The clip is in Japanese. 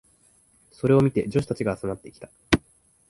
それを見て女子たちが集まってきた。